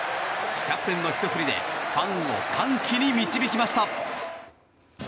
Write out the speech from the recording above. キャプテンのひと振りでファンを歓喜に導きました。